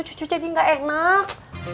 cucu jadi gak enak